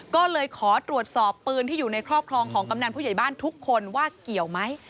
ก็เลยขอตรวจสอบปืนที่อยู่ในครอบครองของกำนันผู้ใหญ่บ้านทุกคนว่าเกี่ยวไหม